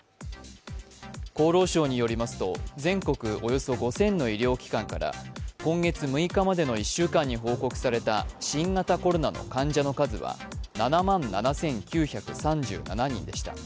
厚生労働省によりますと、全国およそ５０００の医療機関から今月６日までの１週間に報告された新型コロナの患者の数は７万７９３７人でした。